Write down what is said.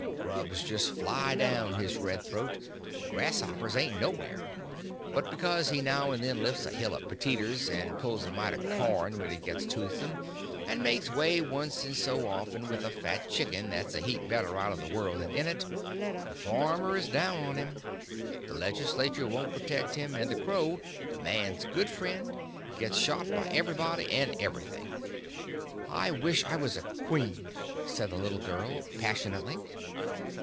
Grubs just fly down his red throat, and grasshoppers ain't nowhere, but because he now and then lifts a hill o' petetters, and pulls a mite o' corn when it gets toothsome, and makes way once in so often with a fat chicken that's a heap better out o' the world than in it, the farmers is down on him, the Legislature won't protect him, and the crow man's good friend gets shot by everybody and everything!" "I wish I was a queen," said the little girl, passionately.